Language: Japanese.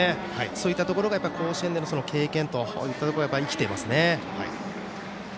そういったところが甲子園での経験といったところが生きていますね。